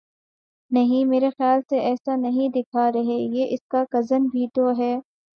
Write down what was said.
نہیں میرے خیال سے ایسا نہیں دکھا رہے یہ اس کا کزن بھی تو ہے